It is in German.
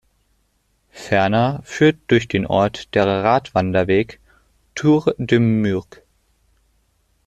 Ferner führt durch den Ort der Radwanderweg "Tour de Murg".